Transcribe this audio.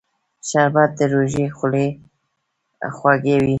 شربت د روژې خولې خوږوي